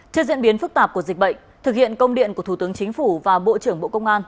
trước diễn biến phức tạp của dịch bệnh thực hiện công điện của thủ tướng chính phủ và bộ trưởng bộ công an